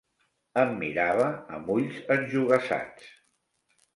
Em mirava amb ulls enjogassats.